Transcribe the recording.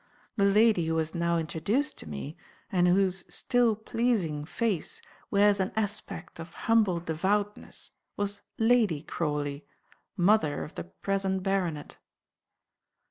The lady who was now introduced to me, and whose still pleasing face wears an aspect of humble devoutness, was Lady Crawley, mother of the present baronet.